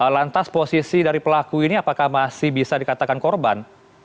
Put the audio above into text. lantas posisi dari pelaku ini apakah masih bisa dikatakan korban